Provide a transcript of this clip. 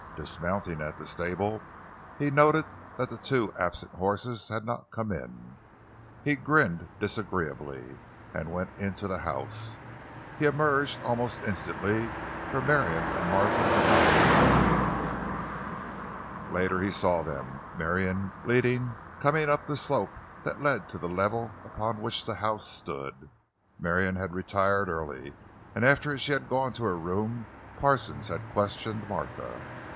Dismounting at the stable, he noted that the two absent horses had not come in. He grinned disagreeably and went into the house. He emerged almost instantly, for Marion and Martha had not returned. Later he saw them, Marion leading, coming up the slope that led to the level upon which the house stood. Marion had retired early, and after she had gone to her room Parsons had questioned Martha.